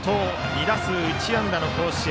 ２打数１安打の甲子園。